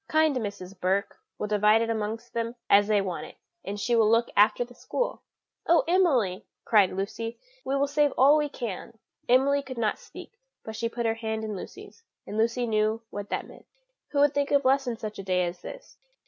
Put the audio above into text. Kind Mrs. Burke will divide it amongst them as they want it; and she will look after the school." "Oh, Emily!" said Lucy, "we will save all we can." Emily could not speak, but she put her hand in Lucy's, and Lucy knew what that meant. Who could think of lessons such a day as this?